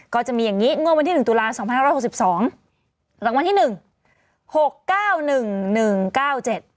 ก็มีอย่างงี้งวดวันที่หนึ่งตุลาสองพันห้าร้อยหกสิบสองรางวัลที่หนึ่งหกเก้าหนึ่งหนึ่งเก้าเจ็ด